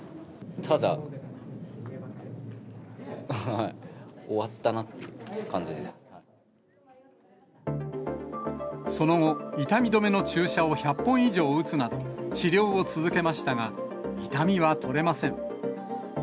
ただ、その後、痛み止めの注射を１００本以上打つなど、治療を続けましたが、痛みは取れません。